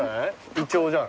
イチョウじゃない？